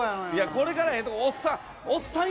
これからええとこおっさん。